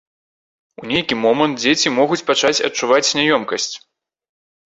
У нейкі момант дзеці могуць пачаць адчуваць няёмкасць.